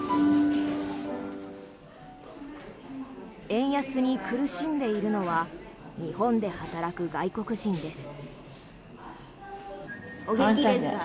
円安に苦しんでいるのは日本で働く外国人です。